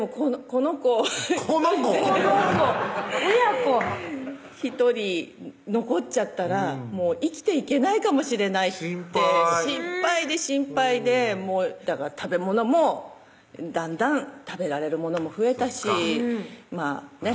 この子親子１人残っちゃったら生きていけないかもしれないって心配で心配でだから食べ物もだんだん食べられるものも増えたしまぁね